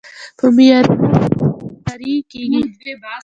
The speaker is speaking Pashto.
په معياري ډول سنګکاري کېږي،